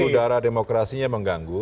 ya karena demokrasinya mengganggu